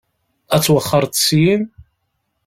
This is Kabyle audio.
Ad twexxṛeḍ syin?